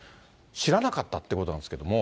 知らなかったっていうことなんですけども。